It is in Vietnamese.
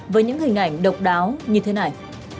với những hình ảnh độc đáo như thế này